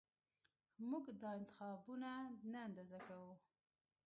موږ دا انتخابونه نه اندازه کوو